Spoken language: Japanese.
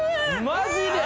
マジで！？